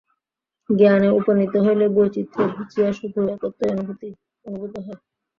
জ্ঞানে উপনীত হইলে বৈচিত্র্য ঘুচিয়া শুধু একত্বই অনুভূত হয়।